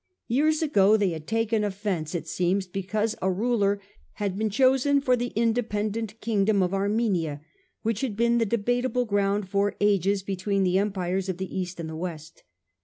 Years ago they had taken offence, it seems, because a ruler had been chosen for the dependent kingdom of Armenia, which had been the debateable ground for ages between the empires of the East and of the West.